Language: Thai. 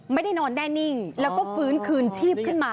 ไม่ได้นอนแน่นิ่งแล้วก็ฟื้นคืนชีพขึ้นมา